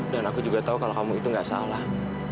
dan aku juga tau kalau kamu itu gak salah